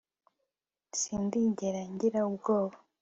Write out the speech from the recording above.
sindigera ngira ubwoba